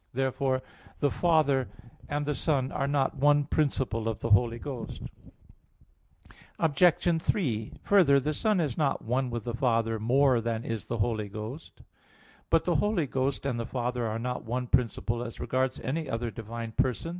Therefore the Father and the Son are not one principle of the Holy Ghost. Obj. 3: Further, the Son is not one with the Father more than is the Holy Ghost. But the Holy Ghost and the Father are not one principle as regards any other divine person.